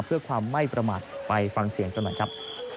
เพื่อความไม่ประมาทไปฟังเสียงกันหน่อยครับ